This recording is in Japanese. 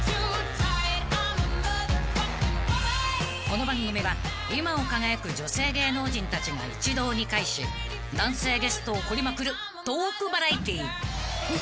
［この番組は今を輝く女性芸能人たちが一堂に会し男性ゲストを掘りまくるトークバラエティー］